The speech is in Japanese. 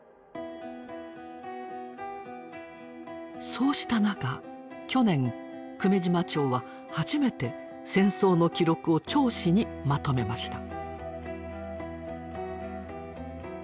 そうした中去年久米島町は初めて戦争の記録を「町史」にまとめました。